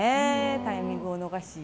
タイミングを逃し。